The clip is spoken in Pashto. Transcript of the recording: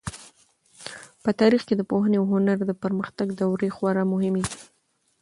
په تاریخ کې د پوهنې او هنر د پرمختګ دورې خورا مهمې دي.